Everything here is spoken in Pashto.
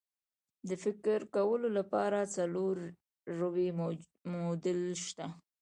د فکر کولو لپاره څلور ربعي موډل شته.